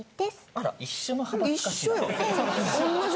あら一緒の派閥かしら？